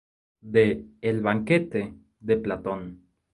De "El Banquete" de Platón.